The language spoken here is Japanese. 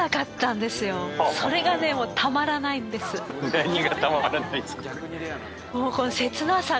何がたまらないんですか？